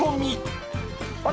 あれ？